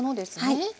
はい。